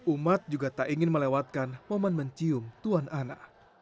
umat juga tak ingin melewatkan momen mencium tuan ana